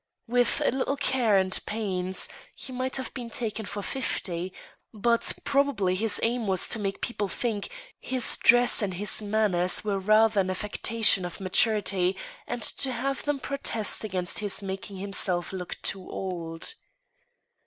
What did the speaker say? With a little care and pains, he might have been taken for fifty ; but proba bly his aim was to make people think his dress and his manners were rather an affectation of maturity, and to have them protest against his making himself look too old.